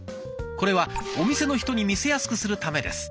これはお店の人に見せやすくするためです。